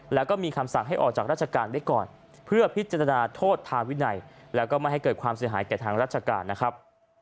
แล้วก็มีคำสั่งให้ออกจากราชการไว้ก่อนเพื่อพิจารณาโทษทางวินัยแล้วก็ไม่ให้เกิดความเสียหายแก่ทางราชการนะครับ